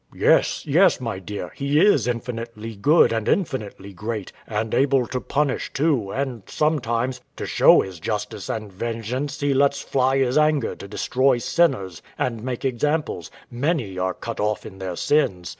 W.A. Yes, yes, my dear, He is infinitely good and infinitely great, and able to punish too; and sometimes, to show His justice and vengeance, He lets fly His anger to destroy sinners and make examples; many are cut off in their sins.